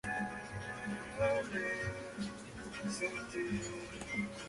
A fines de ese año se retira del fútbol profesional.